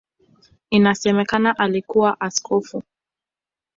Inasemekana alikuwa askofu.